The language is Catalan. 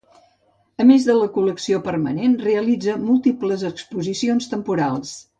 A més de la col·lecció permanent, realitza múltiples exposicions temporals.